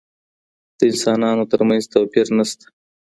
د انسانانو ترمنځ توپیر نه سته.